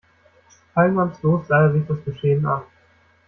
Teilnahmslos sah er sich das Geschehen an.